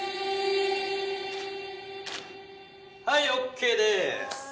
はいＯＫです！